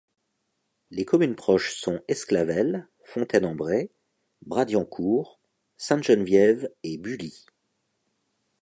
Les communes proches sont Esclavelles, Fontaine-en-Bray, Bradiancourt, Sainte-Geneviève et Bully.